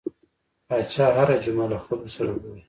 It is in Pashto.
پاچا هر جمعه له خلکو سره ګوري .